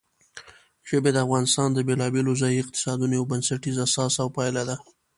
ژبې د افغانستان د بېلابېلو ځایي اقتصادونو یو بنسټیزه اساس او پایایه ده.